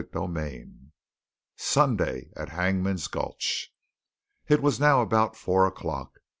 CHAPTER XIX SUNDAY AT HANGMAN'S GULCH It was now about four o'clock.